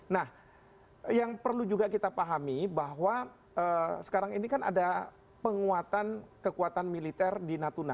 nah yang perlu juga kita pahami bahwa sekarang ini kan ada penguatan kekuatan militer di natuna